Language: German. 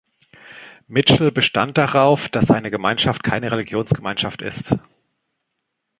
Mitchell bestand darauf, dass seine Gemeinschaft keine Religionsgemeinschaft ist.